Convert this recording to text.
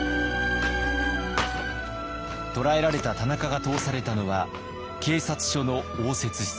捕らえられた田中が通されたのは警察署の応接室。